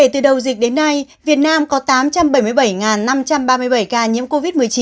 từ đầu dịch đến nay việt nam có tám trăm bảy mươi bảy năm trăm ba mươi bảy ca nhiễm covid một mươi chín